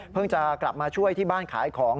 จะกลับมาช่วยที่บ้านขายของ